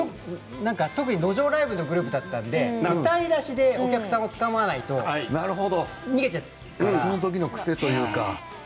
特に路上ライブのグループだったので歌いだしでお客さんをつかまないと逃げちゃうんです。